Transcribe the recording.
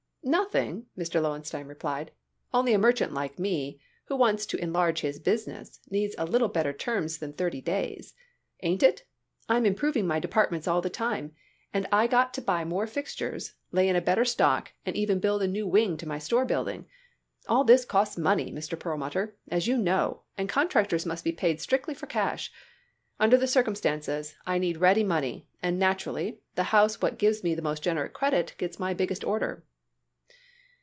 "Nothing," Mr. Lowenstein replied. "Only a merchant like me, what wants to enlarge his business, needs a little better terms than thirty days. Ain't it? I'm improving my departments all the time, and I got to buy more fixtures, lay in a better stock and even build a new wing to my store building. All this costs money, Mr. Perlmutter, as you know, and contractors must be paid strictly for cash. Under the circumstances, I need ready money, and, naturally, the house what gives me the most generous credit gets my biggest order."